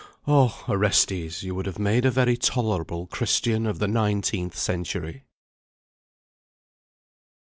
Oh! Orestes! you would have made a very tolerable Christian of the nineteenth century!